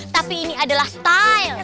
tapi ini adalah style